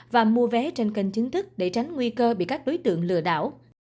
và mua vé trên kênh chính thức để tránh nguy cơ bị các đối tượng lừa đảo